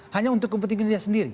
hanya untuk kepentingan dia sendiri